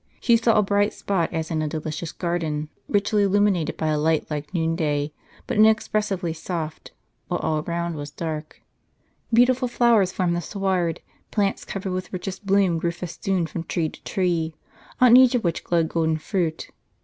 She saw a bright spot as in a delicious garden, richly illuminated by a light like noonday, but inexpressibly soft; while all around was dark. Beautiful flowers formed the sward, plants covered with richest bloom grew festooned from tree to tree, on each of which glowed golden fruit.